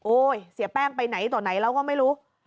โอ๊ยเสียแป้งไปไหนต่อไหนเราก็ไม่รู้